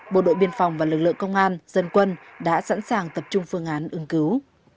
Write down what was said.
bộ đội biên phòng và lực lượng công an dân quân đã sẵn sàng tập trung phương án ứng cứu